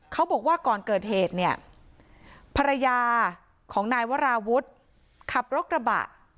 เขาบอกว่าก่อนเกิดเหตุเนี่ยภรรยาของนายวราวุฒิขับรถกระบะ